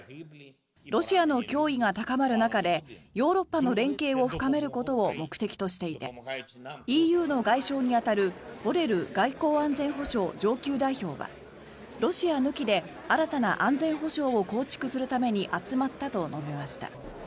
ロシアの脅威が高まる中でヨーロッパの連携を深めることを目的としていてＥＵの外相に当たるボレル外交安全保障上級代表はロシア抜きで新たな安全保障を構築するために集まったと述べました。